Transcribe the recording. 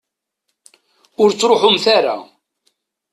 Ur ttruḥumt ara.